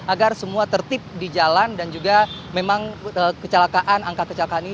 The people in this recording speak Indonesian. agar semua tertib di jalan dan juga memang kecelakaan angka kecelakaan ini